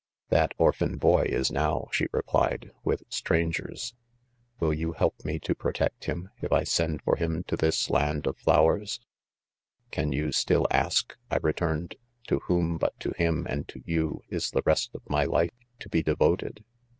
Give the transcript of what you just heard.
• c That 7 orphan boy, is now, she replied, wiili strangers; will* you help me to 'protect him, if "1. senrd 1 for him'to* this l ; lahd of flowers V— "€anf ouMll askV : I returned!' '" To whom'but to r hi«i ? and ! 'to yo'uHs' the Test ''"of mydife'to'be devoted?